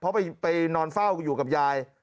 เพราะไปนอนเฝ้าอยู่กับยาย